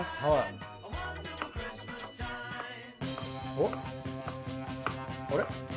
おっあれ？